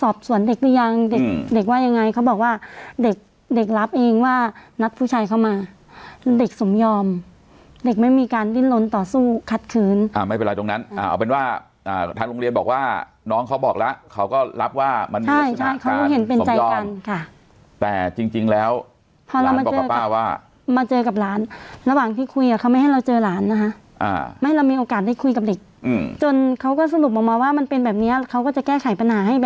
สอบสวนเด็กหรือยังเด็กว่ายังไงเขาบอกว่าเด็กเด็กรับเองว่านัดผู้ชายเข้ามาเด็กสมยอมเด็กไม่มีการดิ้นล้นต่อสู้ขัดขืนอ่าไม่เป็นไรตรงนั้นอ่าเอาเป็นว่าอ่าทางโรงเรียนบอกว่าน้องเขาบอกแล้วเขาก็รับว่ามันมีสถานการณ์สมยอมค่ะแต่จริงจริงแล้วพอเรามาเจอกับป้าว่ามาเจอกับหลานระหว่างที่คุยกับ